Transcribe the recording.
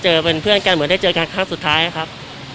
เป็นเพื่อนกันเหมือนได้เจอกันครั้งสุดท้ายครับ